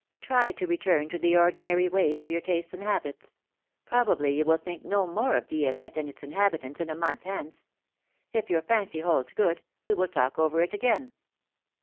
Try to return to the ordinary ways of your tastes and habits. Probably you will think no more of Di6lette and its 12 186 philomI:ne's marriages. inhabitants in a month hence. If your fancy holds good, we will talk over it again.